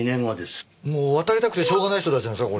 もう渡りたくてしょうがない人たちなんすか？